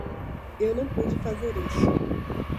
Eu não pude fazer isso.